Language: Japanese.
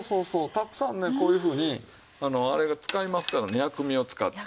たくさんねこういうふうにあれが使いますからね薬味を使って。